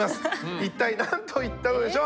一体なんと言ったのでしょう？